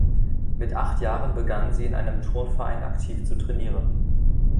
Mit acht Jahren begann sie in einem Turnverein aktiv zu trainieren.